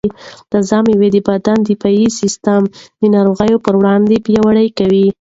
تازه مېوې د بدن دفاعي سیسټم د ناروغیو پر وړاندې پیاوړی کوي.